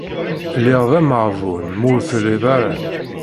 Lliɣ d ameɣbun mi ur tellid ara.